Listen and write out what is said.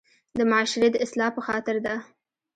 د معاشري د اصلاح پۀ خاطر ده